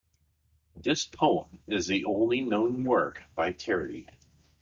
This poem is the only known work by Terry.